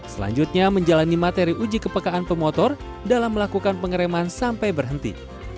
selanjutnya menjalani materi uji kepekaan pemotor dalam melakukan pengereman sampai berhenti